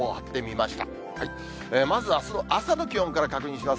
まずあすの朝の気温から確認します。